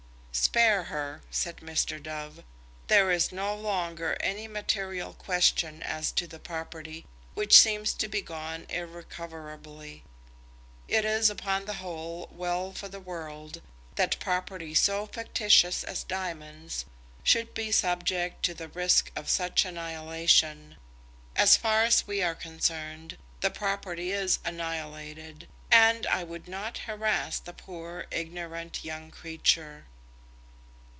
"Spare her," said Mr. Dove. "There is no longer any material question as to the property, which seems to be gone irrecoverably. It is, upon the whole, well for the world, that property so fictitious as diamonds should be subject to the risk of such annihilation. As far as we are concerned, the property is annihilated, and I would not harass the poor, ignorant young creature."